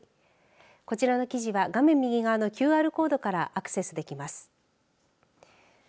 こちらの記事は画面右側のＱＲコードからアクセスできます。